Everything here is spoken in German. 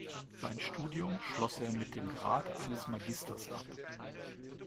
Sein Studium schloss er mit dem Grad eines Magisters ab.